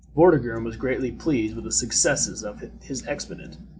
Vortigern was greatly pleased with the success of his expedient.